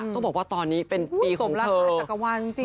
ต้องบอกว่าตอนนี้เป็นปีของเธอ